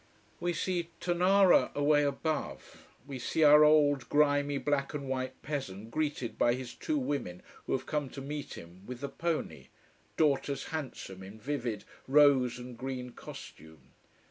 We see Tonara away above. We see our old grimy black and white peasant greeted by his two women who have come to meet him with the pony daughters handsome in vivid rose and green costume.